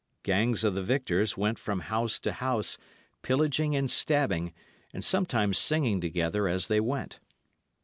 Gangs of the victors went from house to house, pillaging and stabbing, and sometimes singing together as they went.